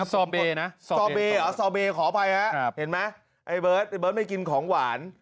สอเบนะสอเบขออภัยแล้วเห็นไหมเบิร์ฟไม่กินของหวาน